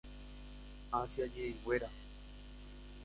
Asia ñe'ẽnguéra.